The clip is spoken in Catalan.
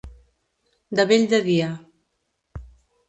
De bell de dia.